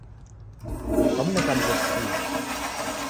Kwamneka mghosi kihi?